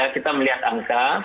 kita melihat angka